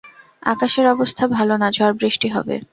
আকাশের অবস্থা ভালো না-ঝড়-বৃষ্টি হবে।